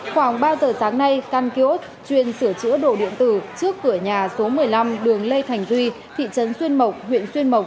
khoảng ba giờ sáng nay căn kiosk chuyên sửa chữa đồ điện tử trước cửa nhà số một mươi năm đường lê thành tuy thị trấn xuyên mộc